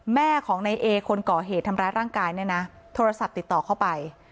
แม่ของในเอคนก่อเหตุทำร้ายร่างกายเนี่ยนะโทรศัพท์ติดต่อเข้าไป